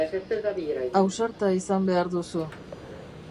Ausarta izan behar duzu.